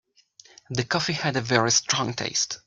The coffee had a very strong taste.